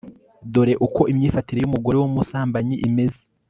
dore uko imyifatire y'umugore w'umusambanyi imeze